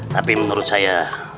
tapi menurut saya